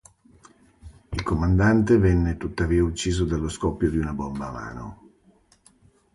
Il comandante venne tuttavia ucciso dallo scoppio di una bomba a mano.